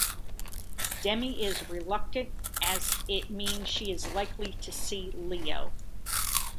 Demi is reluctant, as it means she is likely to see Leo.